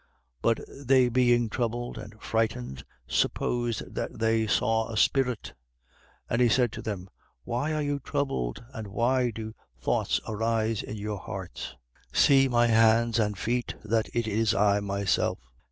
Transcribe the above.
24:37. But they being troubled and frightened, supposed that they saw a spirit. 24:38. And he said to them: Why are you troubled, and why do thoughts arise in your hearts? 24:39. See my hands and feet, that it is I myself.